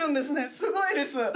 すごいです。